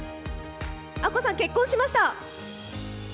アッコさん、結婚しました。